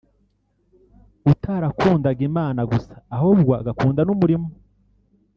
utarakundaga Imana gusa ahubwo agakunda n’umurimo